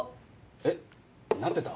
えっなってた？